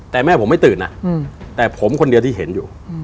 แต่แม่ผมไม่ตื่นนะแต่ผมคนเดียวที่เห็นอยู่